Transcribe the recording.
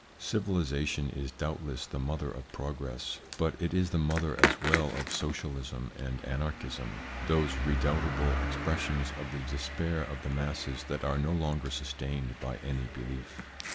Civilisation is doubtless the mother of progress, but it is the mother as well of Socialism and Anarchism, those redoubtable expressions of the despair of the masses that are no longer sustained by any belief.